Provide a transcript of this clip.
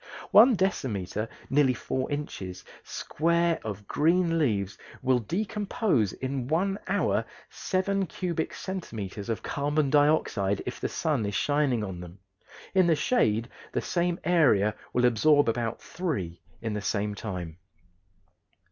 One decimeter (nearly 4 inches) square of green leaves will decompose in one hour seven cubic centimeters of carbon dioxide, if the sun is shining on them; in the shade the same area will absorb about three in the same time.